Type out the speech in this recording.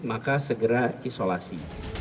maka segera isolasi